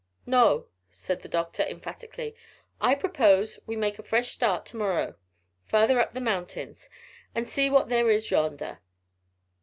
"No," said the doctor emphatically. "I propose we make a fresh start to morrow farther up into the mountains, and see what there is yonder."